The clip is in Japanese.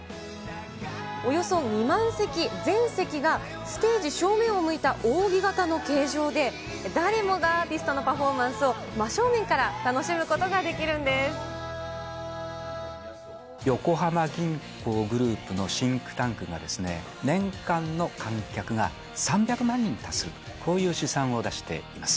およそ２万席、全席が、ステージ正面を向いた扇形の形状で、誰もがアーティストのパフォーマンスを真正面から楽しむことがで横浜銀行グループのシンクタンクが、年間の観客が３００万人に達する、こういう試算を出しています。